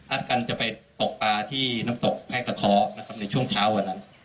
กันจะไปตกปลาที่น้ำตกแห้งกระเพาะนะครับในช่วงเช้าวันนั้น